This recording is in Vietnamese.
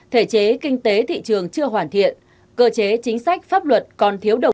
thể chế kinh tế thị trường chưa hoàn thiện cơ chế chính sách pháp luật còn thiếu độc